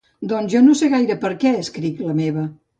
Doncs jo no sé gaire per què escric la meva.